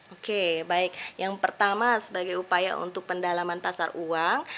oke baik yang pertama sebagai upaya untuk pendalaman pasar uang